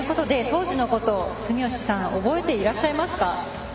当時のことを住吉さん覚えていらっしゃいますか？